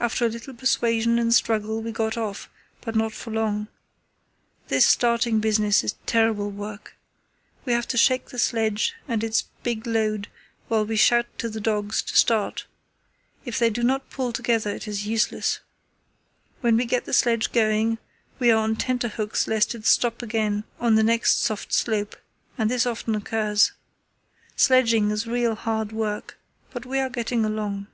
After a little persuasion and struggle we got off, but not for long. This starting business is terrible work. We have to shake the sledge and its big load while we shout to the dogs to start. If they do not pull together it is useless. When we get the sledge going we are on tenter hooks lest it stop again on the next soft slope, and this often occurs. Sledging is real hard work; but we are getting along."